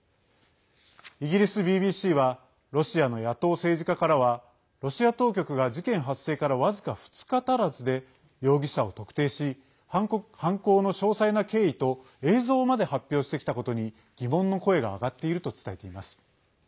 イギリスＢＢＣはロシアの野党政治家からはロシア当局が事件発生から僅か２日足らずで容疑者を特定し犯行の詳細な経緯と映像まで発表してきたことに疑問の声が上がっていると伝えています。